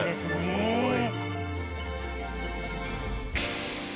すごい。